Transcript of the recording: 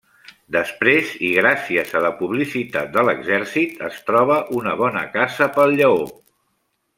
Després i gràcies a la publicitat de l'Exèrcit, es troba una bona casa pel lleó.